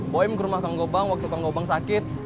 boem ke rumah kang gobang waktu kang gobang sakit